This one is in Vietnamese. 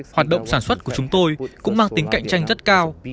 hoạt động sản xuất của chúng tôi cũng mang tính cạnh tranh rất cao